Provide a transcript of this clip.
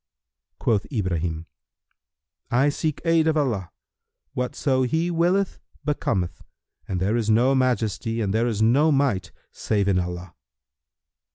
Quoth Ibrahim, "I seek aid of Allah; whatso He willeth becometh; and there is no Majesty and there is no Might save in Allah!"